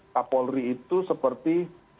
kapolri itu seperti